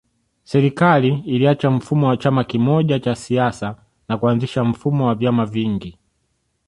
Serikali iliacha mfumo wa chama kimoja cha siasa na kuanzisha mfumo wa vyama vingi